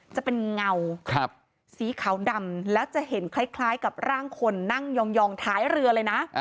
จะเป็นเงาสีขาวดำแล้วจะเห็นคล้ายกับร่างคนนั่งยองท้ายเรือเลยนะ